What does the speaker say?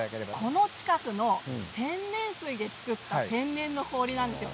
この近くの天然水で作った天然の氷なんです。